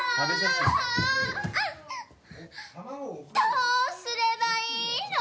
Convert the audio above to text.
どうすればいいの！？